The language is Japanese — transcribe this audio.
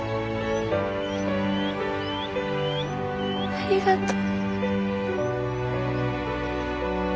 ありがとう。